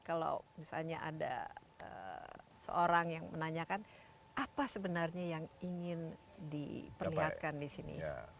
kalau misalnya ada seorang yang menanyakan apa sebenarnya yang ingin diperlihatkan di sini